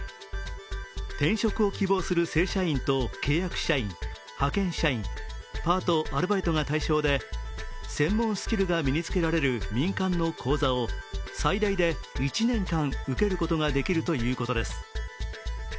転職を希望する正社員と契約社員、派遣社員、パート、アルバイトが対象で専門スキルが身に着けられる民間の講座を最大で１年間受けることができるということです。